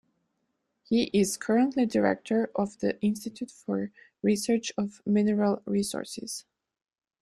He is currently director of the institute for research of mineral resources.